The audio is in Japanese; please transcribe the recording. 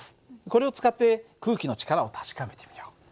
これを使って空気の力を確かめてみよう。